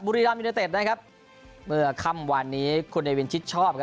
รามยูเนเต็ดนะครับเมื่อค่ำวันนี้คุณเนวินชิดชอบครับ